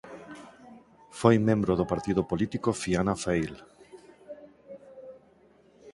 Foi membro do partido político Fianna Fáil.